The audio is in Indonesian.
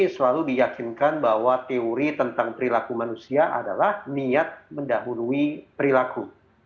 selalu diyakinkan bahwa teori tentang perilaku manusia adalah niat mendahului perilaku